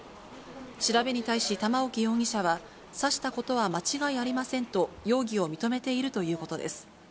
調べに対し玉置容疑者は、刺したことは間違いありませんと、容疑を認めているということです。